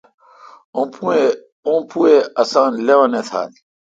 اوں پوُ ے اساں لوَنے تھال۔